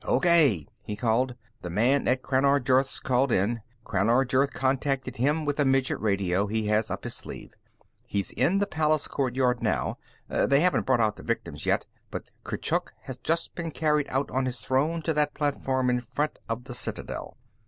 "O. K.!" he called. "The man at Crannar Jurth's called in. Crannar Jurth contacted him with a midget radio he has up his sleeve; he's in the palace courtyard now. They haven't brought out the victims, yet, but Kurchuk has just been carried out on his throne to that platform in front of the citadel.